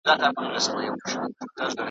د دې مظلوم قام د ژغورني .